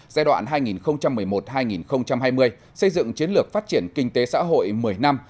giai đoạn hai nghìn một mươi một hai nghìn hai mươi xây dựng chiến lược phát triển kinh tế xã hội một mươi năm